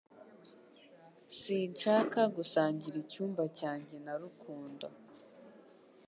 Sinshaka gusangira icyumba cyanjye na rukundo